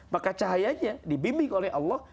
maka cahayanya dibimbing oleh allah